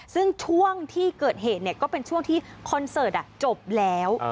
ซึ่งช่วงที่เกิดเหตุก็เป็นช่วงที่คอนเสิร์ตจบแล้ว